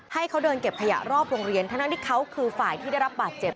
ให้เขาเดินเก็บขยะรอบโรงเรียนทั้งที่เขาคือฝ่ายที่ได้รับบาดเจ็บ